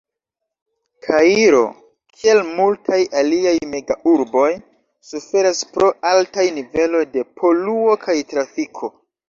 Kairo, kiel multaj aliaj mega-urboj, suferas pro altaj niveloj de poluo kaj trafiko.